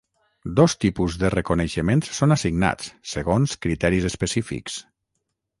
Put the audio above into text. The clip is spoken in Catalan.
Dos tipus de reconeixements són assignats, segons criteris específics.